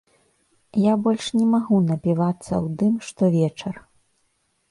Я больш не магу напівацца ў дым штовечар.